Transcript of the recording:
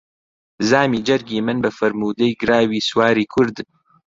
زامی جەرگی من بە فەرموودەی گراوی سواری کورد